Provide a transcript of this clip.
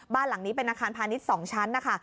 บ้านหลังนี้เป็นอาคารพาณิชย์๒ชั้นนะคะ